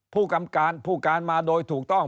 ผู้กำกับการผู้การมาโดยถูกต้อง